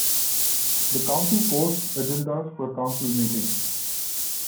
The council posts agendas for council meetings.